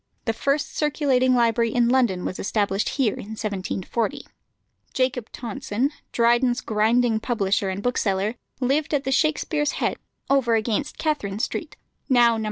The first circulating library in London was established here in 1740. Jacob Tonson, Dryden's grinding publisher and bookseller, lived at the Shakspere's Head, over against Catherine Street, now No.